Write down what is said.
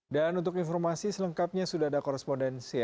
dan untuk informasi selengkapnya sudah ada korespondensi